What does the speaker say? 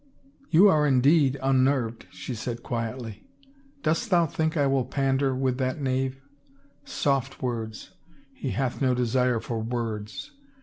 " You are indeed unnerved," she said quietly. *' Dost thou think I will pander with that knave? Soft words! He hath no desire for words."